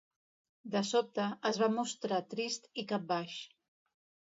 De sobte, es va mostrar trist i capbaix.